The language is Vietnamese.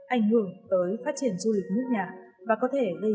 ảnh hưởng tới phát triển du lịch nước nhà và có thể gây ra ổn định môi trường